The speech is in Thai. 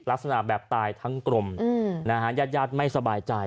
ลักษณะแบบตายทั้งกรมยาดไม่สบายใจ